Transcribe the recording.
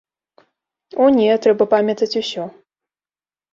О не, трэба памятаць усё.